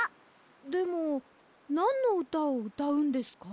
でもなんのうたをうたうんですか？